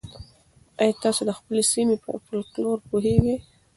ایا تاسي د خپلې سیمې په فولکلور پوهېږئ؟